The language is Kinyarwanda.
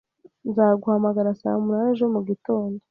Nzaguhamagara saa munani ejo mugitondo